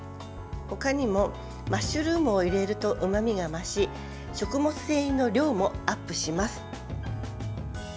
ほかにもマッシュルームを入れるとうまみが増し食物繊維の量もアップします。